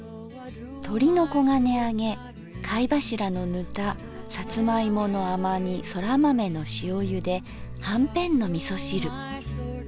とりの黄金あげ貝柱のぬたさつま芋の甘煮空豆の塩ゆではんぺんの味噌汁。